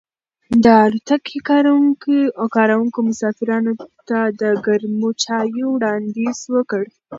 د الوتکې کارکونکو مسافرانو ته د ګرمو چایو وړاندیز وکړ.